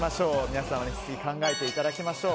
皆さんはその間に考えていただきましょう。